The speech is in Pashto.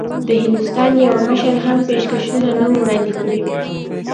د هندوستان یوه مشر هم پېشکشونه نه وو وړاندي کړي.